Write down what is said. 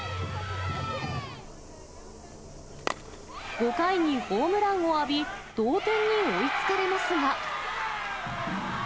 ５回にホームランを浴び、同点に追いつかれますが。